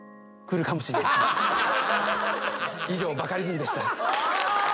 以上バカリズムでした。